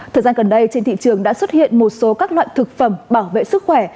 thời gian gần đây trên thị trường đã xuất hiện một số các loại thực phẩm bảo vệ sức khỏe